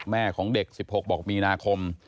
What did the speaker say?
แม่ของเด็ก๑๖บอกมีนาคม